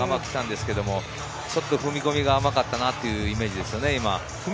ちょっと踏み込みが甘かったというイメージですね。